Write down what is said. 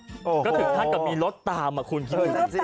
ก็ถึงถ้ากับมีรถตามคุณคิดว่าอย่างนี้สิ